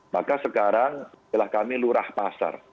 maka sekarang istilah kami lurah pasar